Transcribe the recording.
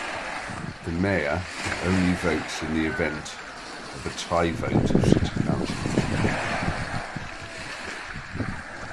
The mayor only votes in the event of a tie vote of city council.